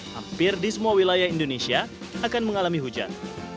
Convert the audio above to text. hampir di semua wilayah indonesia akan mengalami hujan